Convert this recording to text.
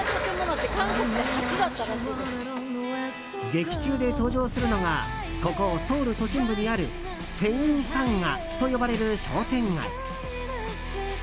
劇中で登場するのがここ、ソウル都心部にあるセウンサンガと呼ばれる商店街。